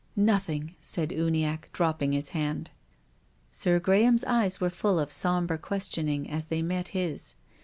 " Nothing," said Uniacke, dropping his hand. Sir Graliam's eyes were full of sombre ques tioning as they met his.